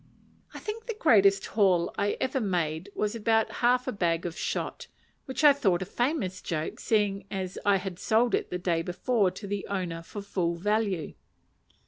I think the greatest haul I ever made was about half a bag of shot, which I thought a famous joke, seeing that I had sold it the day before to the owner for full value.